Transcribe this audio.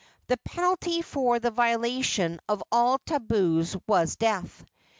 The penalty for the violation of all tabus was death.